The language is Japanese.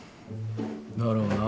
だろうな。